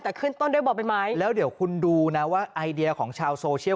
แต่ขึ้นต้นด้วยบ่อใบไม้แล้วเดี๋ยวคุณดูนะว่าไอเดียของชาวโซเชียล